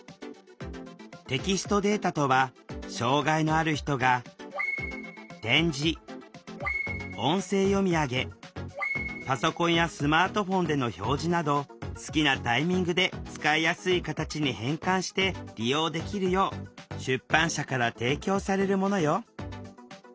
テキストデータとは障害のある人が点字音声読み上げパソコンやスマートフォンでの表示など好きなタイミングで使いやすい形に変換して利用できるよう出版社から提供されるものよ。